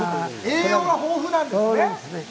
栄養が豊富なんですね。